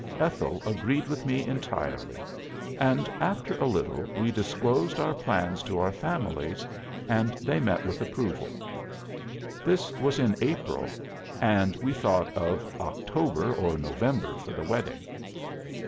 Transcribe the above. Ethel agreed with me entirely; and, after a little, we disclosed our plans to our families, and they met with approval. This was in April, and we thought of October or November for the wedding.